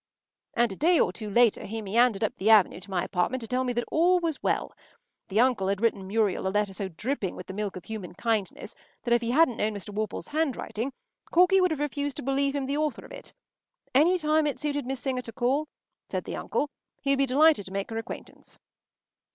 And a day or two later he meandered up the Avenue to my apartment to tell me that all was well. The uncle had written Muriel a letter so dripping with the milk of human kindness that if he hadn’t known Mr. Worple’s handwriting Corky would have refused to believe him the author of it. Any time it suited Miss Singer to call, said the uncle, he would be delighted to make her acquaintance.